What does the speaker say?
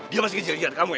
dia masih kecil lihat kamu ya